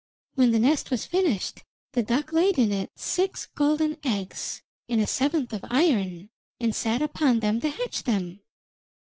When the nest was finished, the duck laid in it six golden eggs, and a seventh of iron, and sat upon them to hatch them.